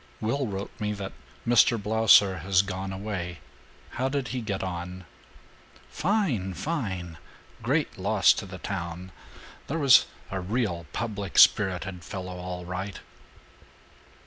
"Will wrote me that Mr. Blausser has gone away. How did he get on?" "Fine! Fine! Great loss to the town. There was a real public spirited fellow, all right!"